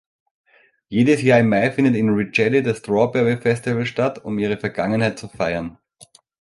Jedes Jahr im Mai findet in Ridgely das Strawberry Festival statt, um ihre Vergangenheit zu feiern.